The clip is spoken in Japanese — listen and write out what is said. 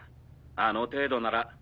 あの程度なら。